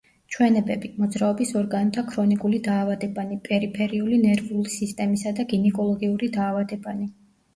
ჩვენებები: მოძრაობის ორგანოთა ქრონიკული დაავადებანი, პერიფერიული ნერვული სისტემისა და გინეკოლოგიური დაავადებანი.